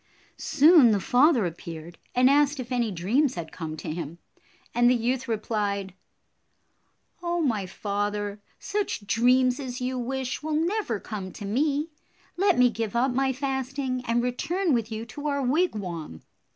Soon the father appeared and asked if any dreams had come to him, and the youth replied, "Oh, my father, such dreams as you wish will never come to me. Let me give up my fasting and return with you to our wigwam."